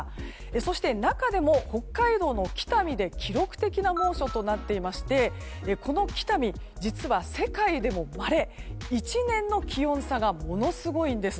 そして、中でも北海道の北見で記録的な猛暑となっていましてこの北見、実は世界でもまれ１年の気温差がものすごいんです。